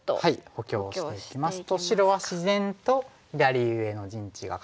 補強していきますと白は自然と左上の陣地が固まりまして。